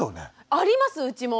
ありますうちも。